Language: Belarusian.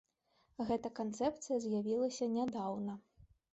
Гэтая канцэпцыя з'явілася нядаўна?